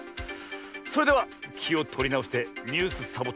それではきをとりなおして「ニュースサボ１０」